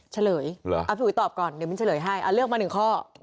เฉลยผิววิตอบก่อนเดี๋ยวมิ้นเฉลยให้อ่ะเลือกมาหนึ่งข้อ